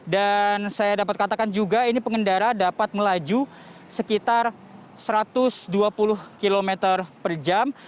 dan saya dapat katakan juga ini pengendara dapat melaju sekitar satu ratus dua puluh km per jam